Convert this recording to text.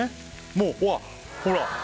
もうわっほら